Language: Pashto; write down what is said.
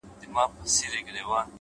پرمختګ له ثابت حرکت رامنځته کېږي’